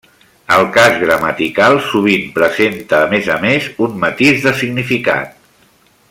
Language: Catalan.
El cas gramatical sovint presenta a més a més un matís de significat.